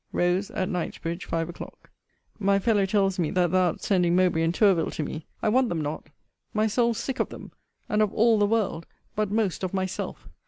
ROSE, AT KNIGHTSBRIDGE, FIVE O'CLOCK. My fellow tells me that thou art sending Mowbray and Tourville to me: I want them not my soul's sick of them, and of all the world but most of myself.